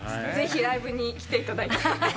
ぜひライブに来ていただいて。